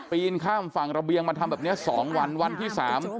ข้ามฝั่งระเบียงมาทำแบบนี้สองวันวันที่สาม